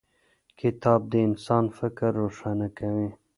کتاب د انسان فکر روښانه کوي.